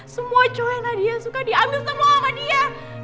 semua cowoknya nadia suka diambil semua sama dia